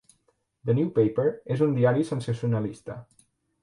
"The New Paper" és un diari sensacionalista.